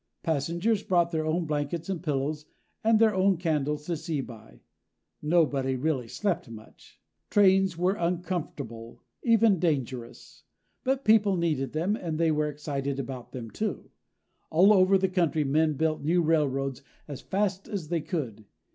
Passengers brought their own blankets and pillows, and their own candles to see by. Nobody really slept much. Trains were uncomfortable even dangerous. But people needed them, and they were excited about them, too. All over the country men built new railroads as fast as they could.